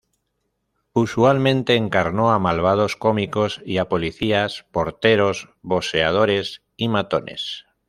Usualmente encarnó a malvados cómicos y a policías, porteros, boxeadores y matones.